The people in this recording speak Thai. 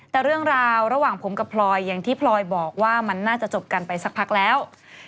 แต่เรื่องราวระหว่างผมกับพลอยอย่างที่พลอยบอกว่ามันน่าจะจบกันไปสักพักแล้ว